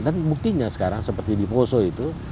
dan buktinya sekarang seperti di poso itu